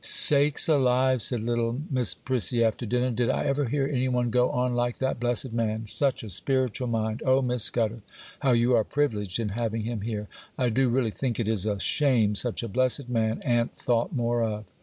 'Sakes alive!' said little Miss Prissy, after dinner, 'did I ever hear any one go on like that blessed man?—such a spiritual mind! Oh, Miss Scudder, how you are privileged in having him here! I do really think it is a shame such a blessed man a'n't thought more of.